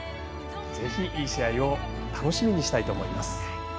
ぜひ、いい試合を楽しみにしたいと思います。